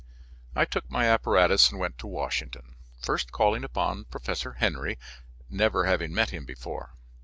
I took my apparatus and went to Washington, first calling upon Professor Henry, never having met him before.